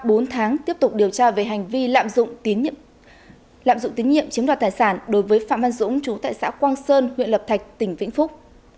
trong bốn tháng tiếp tục điều tra về hành vi lạm dụng tín nhiệm chiếm đoạt tài sản đối với phạm văn dũng chú tại xã quang sơn huyện lập thạch tỉnh vĩnh phúc